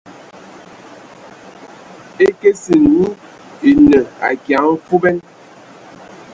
E kesin nyi enə akia mfuban.